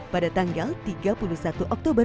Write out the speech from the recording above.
pada tanggal tiga puluh satu oktober dua ribu sembilan belas